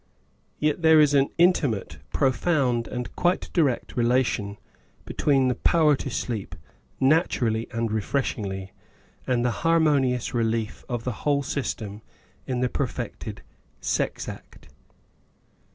Yet there is an intimate, profound and quite direct re lation between the power to sleep, naturally and re freshingly, and the harmonious relief of the whole system in the perfected sex act.